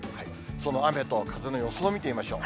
その雨と風の予想を見てみましょう。